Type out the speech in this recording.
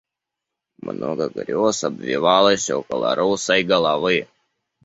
Много грез обвивалось около русой головы.